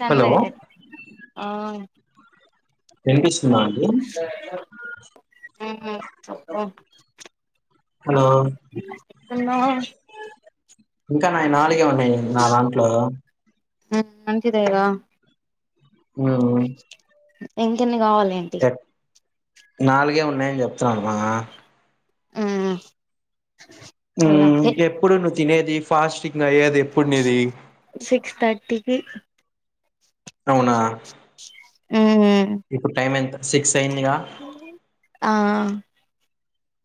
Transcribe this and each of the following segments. Sun hello లైట్ ఆ ఎంటీస్ [inaudible] hello ఎట్టు ఉన్నావ్ ఇంకా నా నాలుగే ఉన్నాయి నా దాంట్లో ఆ మంచిదే గ ఉ ఇంకెన్ని కావాలి ఏంటి నాలుగే ఉన్నాయని చెప్తన్నా ఆ ఉ ఎప్పుడు నువ్వు తినేది ఫాస్టింగ్ అయ్యేది ఎప్పుడు నీది సిక్స్ థర్టీకి అవునా ఉహు ఇప్పుడు టైం ఎంత సిక్స్ అయిందిగా ఆ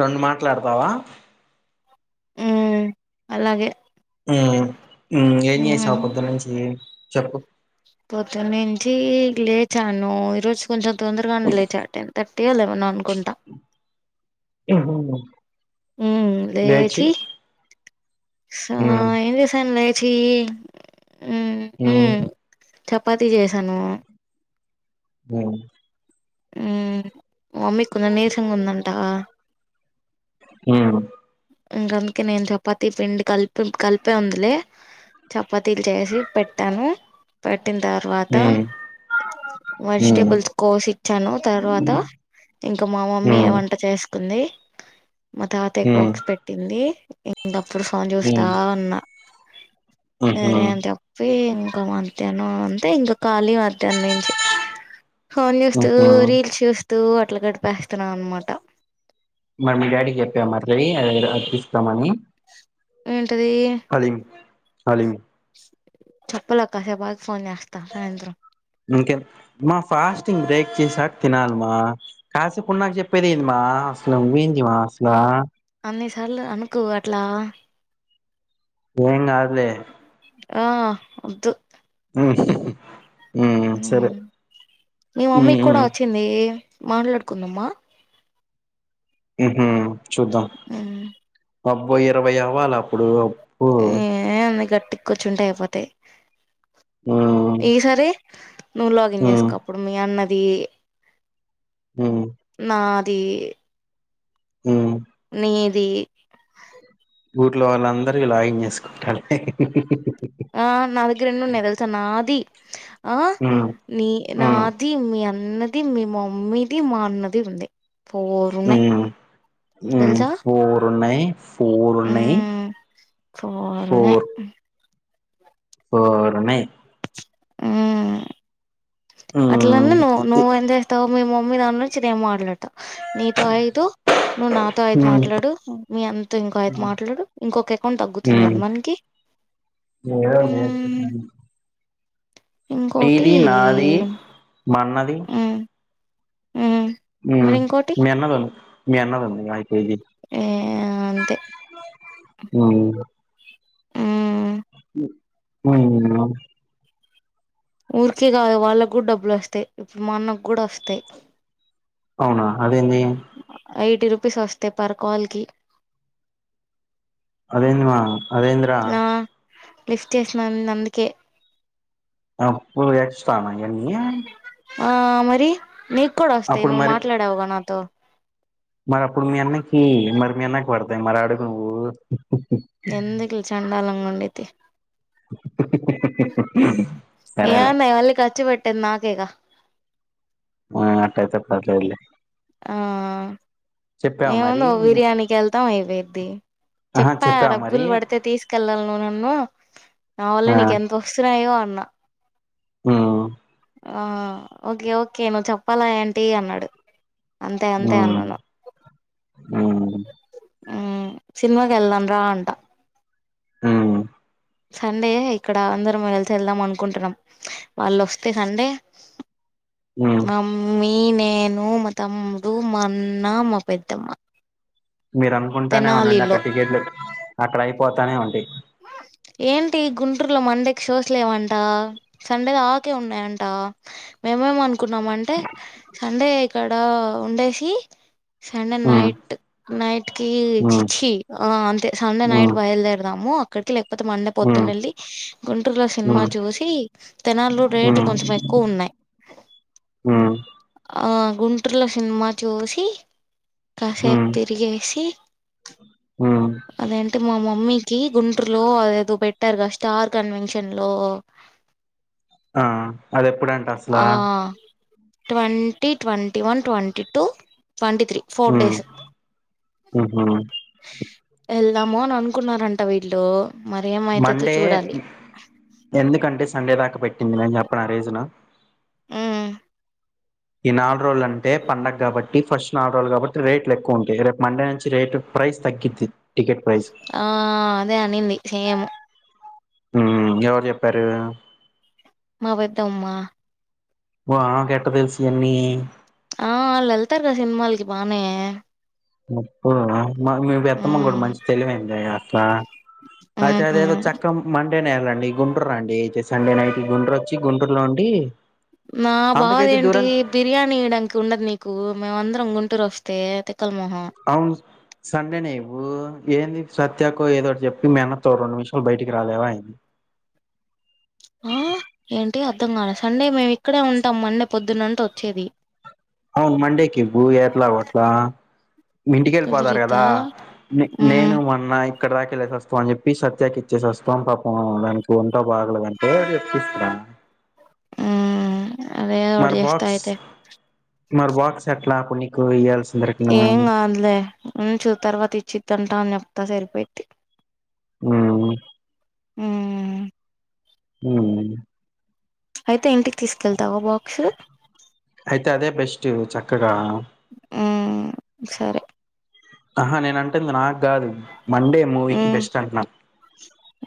రెండు మాట్లాడతావా ఉ అలాగే ఊ ఊ ఏం చేసావు పొద్దున్నుంచి చెప్పు పొద్దున్నుంచీ లేచాను ఈరోజు కొంచెం తొందరగానే లేచా టెన్ తట్ తేలు ఏమన్నా అనుకుంట [unintelligible] ఊ లేచి లేసి ఉమ్ ఇది సండే ఛీ ఉ చపాతీ చేసాను హు ఊ మమ్మీ కి కొంచం నీరసంగా ఉందంటా హు ఇంకందుకే నేను చపాతీ పిండి కలిపి కలిపే ఉందిలే చపాతీలు చేసి పెట్టాను పెట్టిన తర్వాత ఉమ్ ఉమ్ వెజిటేబుల్స్ కోసి ఇచ్చాను తర్వాత ఇంక మా మమ్మీయే ఉమ్ వంట చేసుకుంది మా తాతయ కి ఉమ్ బక్స్ పెట్ ట్టి ఇంగ అప్పుడు ఫోన్ చూస్తా ఉమ్ ఉమ్ ఉన్న ఉహు సరే అని చెప్పి ఇంకా మధ్యాహ్నం అంతే ఇంకా ఖాళీ మధ్యాహ్నం నుంచి ఫోన్ చూస్తూ ఉహు రీల్స్ చూస్తూ అట్ల గడిపేస్తున్నాం అన్నమాట మరి మీ డాడీకి చెప్పా మరి అది తెప్పిస్తామని ఏంటిది హలీమ్ చప్పలే కాసేపు ఆగ్ మీకె మా ఫాస్టింగ్ బేక్ చేసాక తినాలిమా కాసేపుడు నాకు చెప్పేది ఏందిమా అసలు నువ్వేందిమా అసలా అన్ని సార్లు అనుకు అట్లా ఏం గాదులే ఆ ఒద్దు [inaudible] సరే మీ మమ్మీ ఉమ్ ఉమ్ కూడా వచ్చింది మాట్లాడుకుందమా ఉహూ చూద్దాం అబ్బ ఇరవై అవ్వాలా అప్పుడు అబ్బో ఏంది గట్టి కూర్చుంటే అయిపోతాయి ఉమ్ ఈసారీ నువ్వు లాగిన్ ఉమ్ చేసుకో అప్పుడు మీ అన్నది ఉమ్ నాద్ దీ ఊ నీది ఊర్లో వాళ్ళందరివి లాగింగ్ చేసుకుంటాలే ఆ నా దగ్గరెన్నున్నాయి తెలుసా? నాది ఆ ఉమ్ నీ ఉమ్ నాది మీ అన్ అన్నది మీ మమ్మీది మా అన్నది ఉంది ఫోర్ ఉన్నాయ్ ఉమ్ ఫోర్ ఉన్నాయ్ ఫోర్ ఉన్నాయి ఫోర్ ఉన్నయ్ ఫోర్ ఉన్నాయ్ ఉ అట్లన్నా నువ్వు నువ్వు ఏం చేస్తావు మీ మమ్మీ దాని నుంచిం మాట్లాడతావు ఆ [unintelligible] నీతో అయిదు నువ్వు నాతో అయిద్ మాట్లాడు మీ అంత ఇంకో అయిద్ మాట్లాడు ఇంకొక అకౌంట్ తగ్ గ్గుతుంది మనకి ఎదో ఒకటి మ్మ్ చేయొచ్చు ఇంకోటి నీది నాది మన్నది మ్మ్ మ్మ్ హ్మ్మ్ మరి ఇంకోటి మీ అన్నలను మీ అన్నలను రాయ్ ఏ అంతే అ హ్మ్మ్ ఉ ఊరికే కాదు, వాళ్ళక్కూడా డబ్బులొస్తాయ్. ఇప్పుడు మన్నక్కూడొస్తాయ్. అవునా అదేందు ఎయిటీ రూపీస్ వస్తయ్ పర్ కాల్ కి. అదేందమా అదేంద్రా ఆ లిఫ్ట్ చేసినా నందుకే. ఆప్పు వచ్చతానా ఎన్ని ఆ మరి నీక్కూడా వస్తాయి. నువ్వు మరి మాట్లాడావుగా నాతో! మరి అప్పుడు మీ అన్నకి మరి మీ అన్నకి పడతాయి మరి అడుగు నువ్వు ఎందుకులే చెండాలంగుండిద్దీ. ఏ సరేలే అన్నాయి మళ్ళీ ఖర్చు పెట్ పెట్టేది నాకేగా ఆ అట్టయితేప్పలి ఆ ఏముంది మరి ఒక బిర్యానీకెళ్తాం అయిపోయిద్ది. ఆహా చెప్పా చెప్పావా మరి డబ్బులు పడితే తీసుకెళ్ళాలి. నువ్ నన్ను నా వల్లే ఆ నీకెంత వస్తున్నాయో అన్నా. ఆ ఆ ఓకే ఓకే నువ్వు చెప్పాలా ఏంటీ అన్నాడు. అంతే అంతే అన్నాను. హ మ్మ్మ్మ్ సినిమాకెళ్దాం రా అంటా. హ సండే ఇక్కడ అందరం కలిసి వెళ్దాం అనుకుంటున్నాం. వాళ్ళొస్తే సండే ఉమ్ మమ్మీ, నే నేను, మా తమ్ముడు, మన్న, మా పెద్దమ్మ. మీరు అనుకుంటానే ఉండండి అక్కడ తెనాలిలో టికెట్లు అక్కడ అయిపోతానే ఉండి ఏంటి గుంటూర్లో మండె? షోస్ లేవంట, సండే దాకే ఉన్నాయంట. మేమేమను ఏమనుకున్నామంటే సండే ఇక్కడ ఉండేసి, సండే ఉమ్ నైట్ నైట్ కి చి ఉమ్ చ్చి ఆ అంతే సండే నైట్ ఉమ్ బయలుదేరదాము, అక్కడికెళ్ళే కాకపోతే మండే ఉమ్ పొద్దునెళ్ళి, గుంటూరులో సినిమా చూసి, తేనాల్లో రేట్లు కొంచెం ఎక్కువున్నాయ్. ఆ ఆ గుంటర్లో సినిమా చూసి కాసేప్ ఉమ్ తిరిగేసి ఉమ్ అదెంటి మా మమ్మీ కీ గుంటూర్లో అదేదో పెట్టార్గా! స్టార్ కన్వెన్షన్ లో ఆ అది ఎప్పుడంట ఆ అసలా twenty, twenty one, twenty two twenty three four um days వెల్త్ ఉహు వెళ్దామోనననుకున్నారంట వీళ్లు. మండే ఎందుకంటే సండే దాకా పెట్టింది నేను చెప్పన రీజన్ ను ఉమ్ [inaudible] ఈ నాలు రోజులు అంటే పండగ కాబట్టి ఫస్ట్ నాలుగు రోజులు కాబట్టి రేట్లు ఎక్కువ ఉంటాయి రేపు మండే నుంచి రేటు ప్రైస్ తగిద్ది ఆ అదే అనింది సేమ్. హమ్ ఎవరు చెప్పారు మా పెద్దమ్మా మో ఆమెకు ఎట్ట తెలుసు అన్ని ఆ ఆల్ల్ ఎళ్తార్ గా సిన్మాలకి బానే అబ్బో మా ఆ మీ పెద్దమ్మ గుడా ఉమ్ మంచి తెలివైందే అస్ల ఐతే అదేదో ఉమ్ చక్కం మన్ డేనే ఎళ్ళండి గుంటూరు రాండి ఐతే సండే నైట్ గుంటూరు ఒచ్చి గుంటూర్లో ఉండి నా అంతకైతే బాదెంటి దూరం బిర్యానీ ఇయ్యాడానికి ఉండదు నీకు మేమందరం గుం టూరొస్తే త్ ఔను సండేనే ఇవ్వూ ఏ సత్యాకు ఏదోటి జేప్పి మీ అన్నతో రొండు నిమ్షాలు బయటికి రాలేవా ఏం ఆ ఏంటి అర్థం కాల సండే మేమిక్కడే ఉంటాం మండే పొద్దున్నంట ఒచ్చేది ఔను మండేకివ్వు ఎట్లాగోట్లా మీ ఇంటికెళ్ళిపోతారు గదా కుదిరిద్దా ఉమ్ నేను మొన్న క్కడ దాకా ఎళ్ళిసి ఒస్తాం అని జేప్పి సత్యాకి ఇచ్చేసి ఒస్తాం పాపం దానికి ఒంటా బగలేదంటే జేప్పిస్త ఉమ్ అదే ఏదోటి మరి జేస్తా బాక్స్ ఐతే మరి బాక్స్ ఎట్లా ప్పున్నికు ఇయ్యల్స్ ఏం గాదులే ఉంచు తర్వాత ఇచ్చిద్దంటా అని జెప్తా సరిపోయిద్ధి ఊమ్ ఉమ్ హుమ్ ఐతే ఇంటికి తీసుకెళ్తావా బాక్సు చేవు చక్కగా మ్ సరె ఆహా నేనంటుంది నాక్ గాదు మండే మూవీకి మ్మ్ బెస్ట్ అంట్నను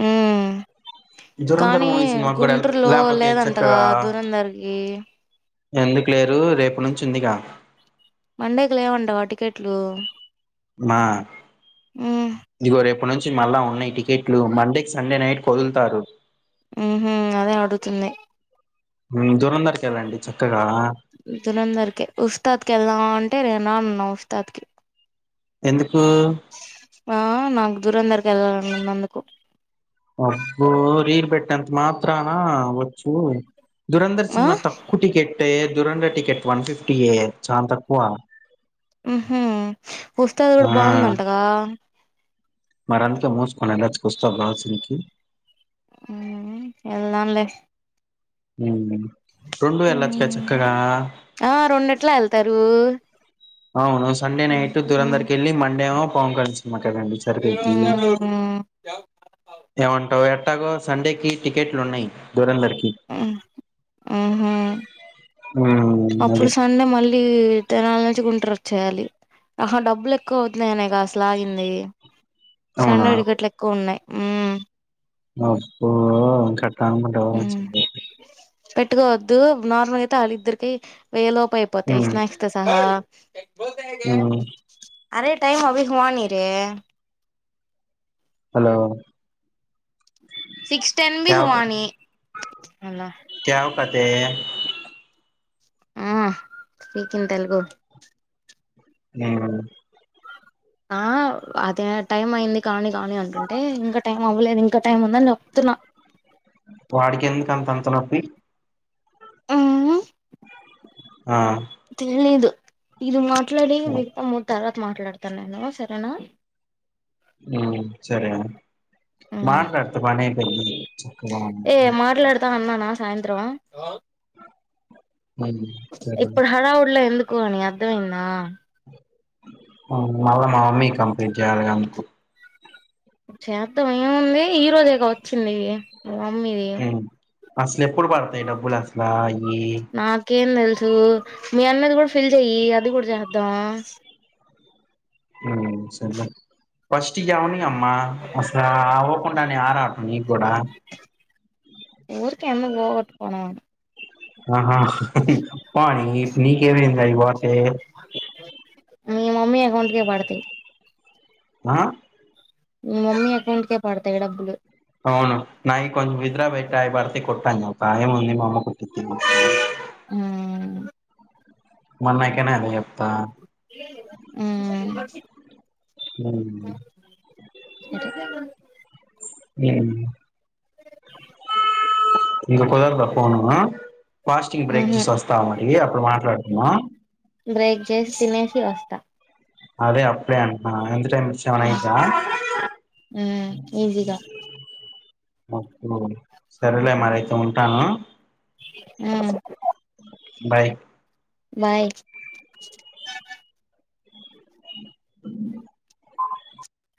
మ్మ్ కానీ సినిమాకి కూడా గుంటర్లో లేకపోతే లేదంటగా చక్కగా దూరందర్కి ఎందుకు లేరు రేప్నుంచి ఉందిగా మండేకి లేవంటగా టికెట్లూ మా ఇగో రెప్ ప్నుంచి మళ్ళా ఉన్నాయి టికెట్లు మండే కి సండే నైట్ ఒదుల్తారు ఉహు అదే అడుతుంది దురంధర్కి వెళ్ళండి చక్కగా దూరందర్కే ఉస్తాద్ కి ఎళ్దాం అంటే నేన అన్నవ్ తత్కి ఎందుక్ ఆ నాకు దూరందర్కీ ఎళ్ళాలన్నందుకు అబ్బో రీల్ పెట్టినంత మాత్రానా ఒచ్చు దురంధర్ ఆ సిన్మాకు తక్కువ్ టికెట్టే దురంధర్ టికెట్ వన్ ఫిఫ్టీయే చాల్ తక్కువ ఉమ్ హా ఉస్తాద్ కూడా బాగుందంటగా మరందుకే ముసుకొని వెళ్ళొచ్చు కదా ఉస్తాద్ లాస్ట్ సీన్ కి ఎల్దం లె ఉమ్ ఆ రెండెట్లా ఎళ్తారు ఔను సండే నైట్ దురంధర్కి ఎళ్ళి మండే పవంక మకాగడి సరిపోద్ది ఏమంటావు ఎ ట్టగో సండేకి టికెట్లున్నయ్ దురందర్కి ఆహా మ్మ్ అప్పుడు అది సండే మళ్ళీ తెనాల నుంచి గుంట్రోచ్చేయాలి అహ డబ్బులు ఎక్కువైతున్నాయనేగా అసలాగింది అవునా సండే టిక్కెట్లెక్కువున్నాయ్ అబ్బా అట్లనుకుంటే [unintelligible] పెట్టుకోవద్దు నార్మల్ ఐతే అళద్దరికి వెయ్య లోపు ఐపోతాయి స్నాక్స్ తో సహా ఊమ్ థై హౌ ఈస్ హోనీ రె హలో సిక్స్ టెన్ బీ కేవ హువాని అలా ఏ um speak in Telugu um ఆ అదే టైం అయింది కానీ కానీ అంటుంటే ఇంకా టైం అవ్వలేదు ఇంకా టైం ఉందని చెప్తున్నా వాడికి ఎందుకు అంతంత నొప్పి మ్మ్ ఆ తెలీదు ఇది మాట్లాడేది వింటా ఉంటారా మాట్లాడుతాను నేను సరేనా ఉమ్ సరే మాట్లాడితే పని అయిపోయిద్ది చక్కగా ఏయ్ మాట్లాడతా అన్నానా సాయంత్రం ఉమ్, సరే ఇప్పుడు హడావుడ్లో ఎందుకు అనీ అర్థమైందా మళ్ళ మామమ్మీ కి కంప్లైంట్ చేయాలిగా అందుకు చేద్దాం ఏముంది ఈరోజేగా వచ్చింది మీ మమ్మీది అసలెప్పుడు పడతాయి డబ్బులసలా ఈ నాకేం మీ అన్నది కూడా ఫిల్ చెయ్యి అది కూడా చేద్దాం సరె లా ఫస్ట్ ఇయ్యవనీ అమ్మా అసలు అవ్వకుండానే ఆరాటం నీక్కూడా ఊరుకి ఎందుకు పోగొట్టుకోడం ఆహా పోనీ నీకేమైంది అవి పోతే మీ మమ్మీ అకౌంట్ కి పడతాయి ఆ మమ్మీ అకౌంట్ కే పడతాయి డబ్బులు అవును నాయి కొంచెం విత్డ్రా పెట్ట అయ్యి పడతాయి కొట్టు అను ఏముంది మా అమ్మకు ఉమ్ మాన్నయ్యకైనా అదే చెప్పు ఉమ్ [inaudible] లేదు ఇంక కుదరదా ఫోను, ఫాస్టింగ్ బ్రేక్ ఉహు చేసొస్తా ఏ అప్పుడు మాట్లాడుకుందాం బ్రేక్ జెసి తినేసి వస్తా అదే అప్పుడే అంటన్న టైం చానాయిందా ఉమ్ ఈజీగా సరేలే మరైతే ఉంటాను ఉమ్ బాయ్ బాయ్ [unintelligible]